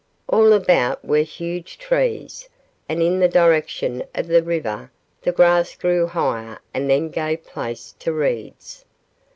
All about were huge trees, and in the direction of the river the grass grew higher and then gave place to reeds.